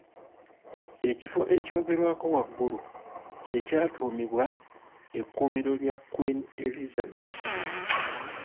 Ekifo ekyogerwako waggulu kye kyatuumibwa ekkuumiro lya Kwiini Elizabeth.